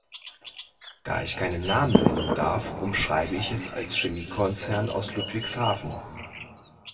Da ich keine Namen nennen darf, umschreibe ich es als Chemiekonzern aus Ludwigshafen.